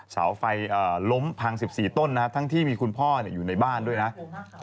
เสาไฟล้มทาง๑๔ต้นทั้งที่มีคุณพ่อในบ้านด้วยนะคะ